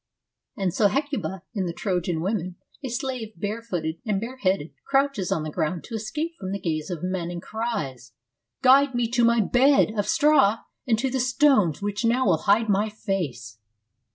And so Hecuba, in the Trojan Women, a slave bare footed and bare headed, crouches on the ground to escape from the gaze of men, and cries :' Guide me to my bed of straw and to the stones which now will hide my face.'